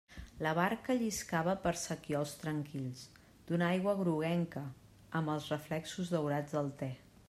La barca lliscava per sequiols tranquils, d'una aigua groguenca, amb els reflexos daurats del te.